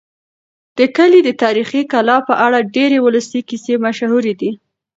د کلي د تاریخي کلا په اړه ډېرې ولسي کیسې مشهورې دي.